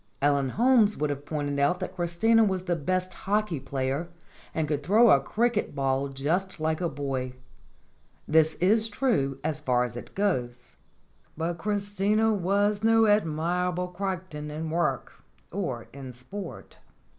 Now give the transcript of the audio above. Ellen Holmes would have pointed out that Christina was the best hockey player and could throw a cricket "5 ii6 STORIES WITHOUT TEARS ball just like a boy. This is true as far as it goes. But Christina was no Admirable Crichton in work or in sport.